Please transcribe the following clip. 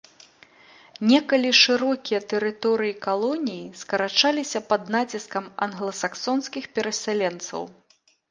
Некалі шырокія тэрыторыі калоніі скарачаліся пад націскам англасаксонскіх перасяленцаў.